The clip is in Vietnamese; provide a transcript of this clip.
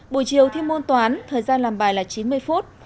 buổi chiều thi môn toán thời gian làm bài là chín mươi phút